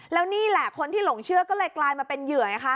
แล้วนี่แหละคนที่หลงเชื่อก็เลยกลายมาเป็นเหยื่อไงคะ